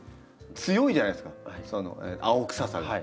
強いじゃないですかその青臭さが。